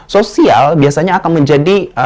sosial biasanya akan menjadi